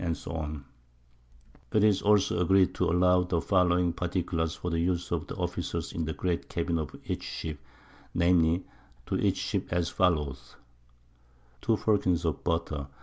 _ It is also agreed to allow the following Particulars for the use of the Officers in the Great Cabbin of each Ship, viz. To each Ship as followeth. _Two Firkins of Butter.